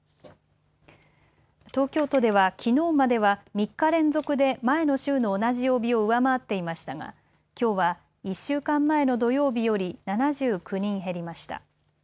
東京都ではきのうまでは３日連続で前の週の同じ曜日を上回っていましたが、きょうは１週間前の土曜日より７９人減りました。